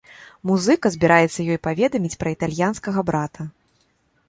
Музыка збіраецца ёй паведаміць пра італьянскага брата.